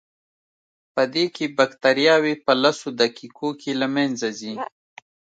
پدې کې بکټریاوې په لسو دقیقو کې له منځه ځي.